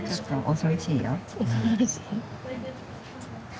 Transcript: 恐ろしい。